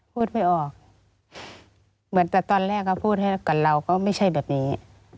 พูดไม่ออกเหมือนแต่ตอนแรกเขาพูดให้กับเราก็ไม่ใช่แบบนี้